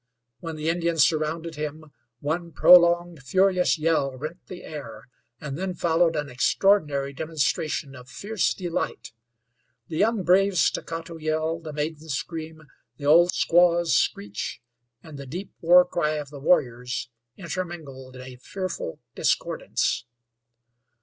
When the Indians surrounded him one prolonged, furious yell rent the air, and then followed an extraordinary demonstration of fierce delight. The young brave's staccato yell, the maiden's scream, the old squaw's screech, and the deep war cry of the warriors intermingled in a fearful discordance.